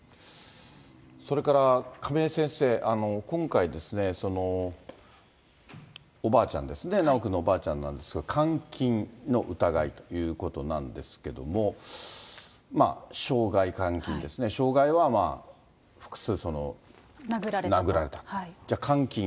それから亀井先生、今回ですね、おばあちゃんですね、修くんのおばあちゃんなんですけども、監禁の疑いということなんですけれども、傷害、監禁ですね、傷害は複数殴られた、じゃあ、監禁。